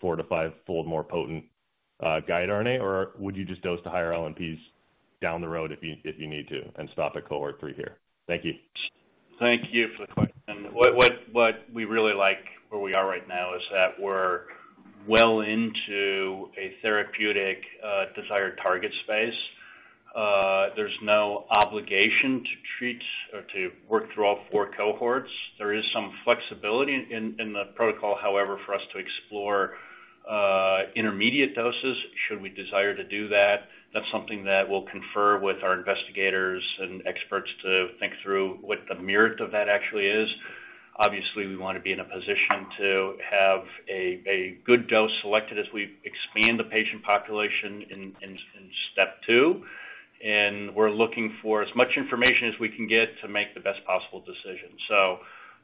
four to fivefold more potent guide RNA? Would you just dose the higher LNPs down the road if you need to and stop at Cohort 3 here? Thank you. Thank you for the question. What we really like where we are right now is that we're well into a therapeutic desired target space. There's no obligation to treat or to work through all four cohorts. There is some flexibility in the protocol, however, for us to explore intermediate doses should we desire to do that. That's something that we'll confer with our investigators and experts to think through what the merit of that actually is. Obviously, we want to be in a position to have a good dose selected as we expand the patient population in step 2, and we're looking for as much information as we can get to make the best possible decision.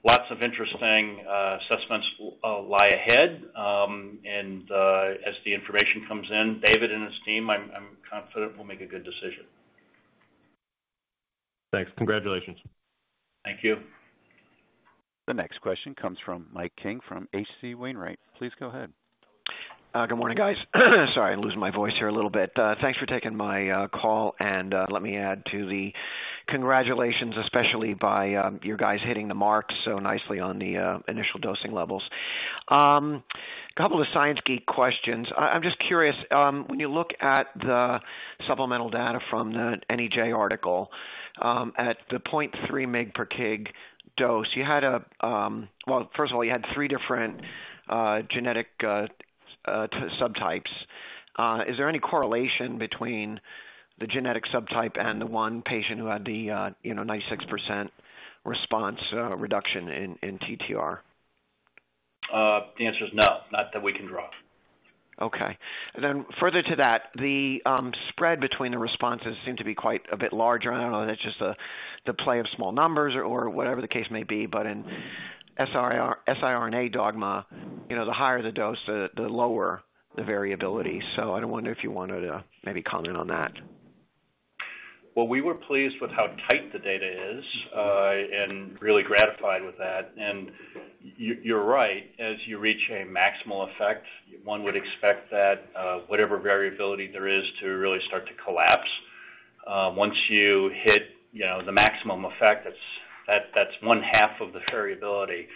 Lots of interesting assessments lie ahead, and as the information comes in, David and his team, I'm confident we'll make a good decision. Thanks. Congratulations. Thank you. The next question comes from Mike King from H.C. Wainwright. Please go ahead. Good morning, guys. Sorry, losing my voice here a little bit. Thanks for taking my call. Let me add to the congratulations, especially by you guys hitting the mark so nicely on the initial dosing levels. A couple of science-y questions. I'm just curious, when you look at the supplemental data from the NEJM article, at the 0.3 mg per kg dose, well, first of all, you had three different genetic subtypes. Is there any correlation between the genetic subtype and the one patient who had the 96% response reduction in TTR? The answer is no, not that we can draw. Okay. Further to that, the spread between the responses seems to be quite a bit larger. I don't know if that's just the play of small numbers or whatever the case may be, siRNA dogma, the higher the dose, the lower the variability. I wonder if you wanted to maybe comment on that. Well, we were pleased with how tight the data is, and really gratified with that. You're right. As you reach a maximal effect, one would expect that whatever variability there is to really start to collapse. Once you hit the maximum effect that's one half of the variability.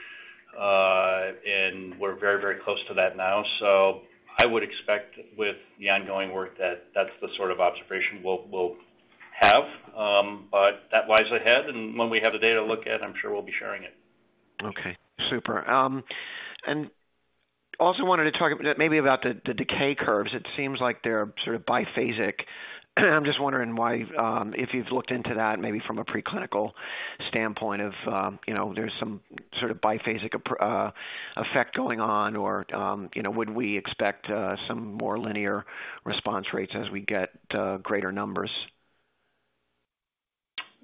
We're very close to that now. I would expect with the ongoing work that that's the sort of observation we'll have. That lies ahead, and when we have the data to look at, I'm sure we'll be sharing it. Okay. Super. Also wanted to talk maybe about the decay curves. It seems like they're sort of biphasic. I'm just wondering if you've looked into that, maybe from a preclinical standpoint of, there's some sort of biphasic effect going on or would we expect some more linear response rates as we get greater numbers?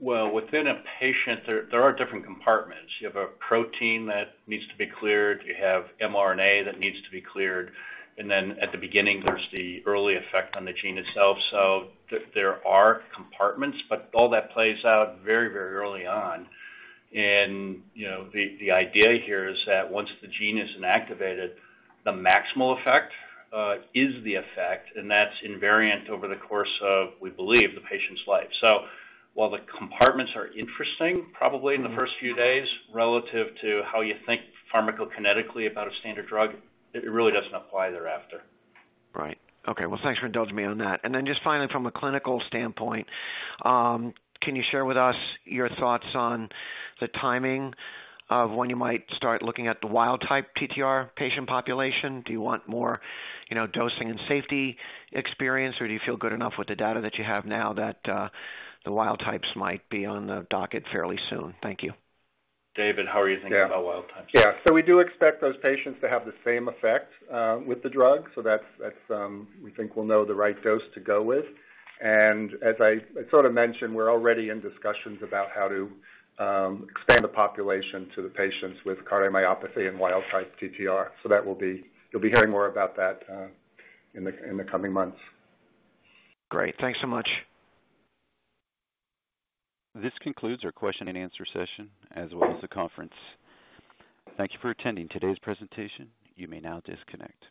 Well, within a patient, there are different compartments. You have a protein that needs to be cleared, you have mRNA that needs to be cleared, and then at the beginning, there's the early effect on the gene itself. There are compartments, but all that plays out very early on. The idea here is that once the gene is inactivated, the maximal effect is the effect, and that's invariant over the course of, we believe, the patient's life. While the compartments are interesting, probably in the first few days, relative to how you think pharmacokinetically about a standard drug, it really doesn't apply thereafter. Right. Okay. Well, thanks for indulging me on that. Just finally, from a clinical standpoint, can you share with us your thoughts on the timing of when you might start looking at the wild type TTR patient population? Do you want more dosing and safety experience, or do you feel good enough with the data that you have now that the wild types might be on the docket fairly soon? Thank you. David, how are you thinking about wild types? Yeah. We do expect those patients to have the same effect with the drug. That's, we think we'll know the right dose to go with. As I sort of mentioned, we're already in discussions about how to expand the population to the patients with cardiomyopathy and wild type TTR. You'll be hearing more about that in the coming months. Great. Thanks so much. This concludes our question and answer session, as well as the conference. Thank you for attending today's presentation. You may now disconnect.